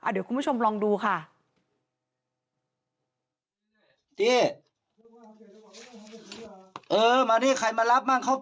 เดี๋ยวคุณผู้ชมลองดูค่ะ